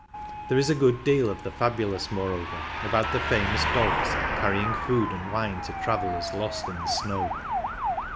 There is a good deal of the fabulous, moreover, about the famous dogs " carrying food and wine to travellers lost in the snow."